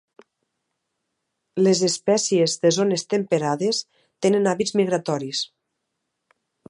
Les espècies de zones temperades tenen hàbits migratoris.